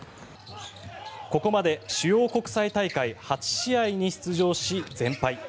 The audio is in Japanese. ここまで主要国際大会８試合に出場し、全敗。